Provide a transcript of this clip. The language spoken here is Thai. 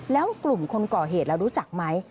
แล้วกลุ่มคนก่อเหตุเรารู้จักไหม